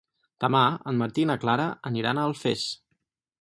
Demà en Martí i na Clara aniran a Alfés.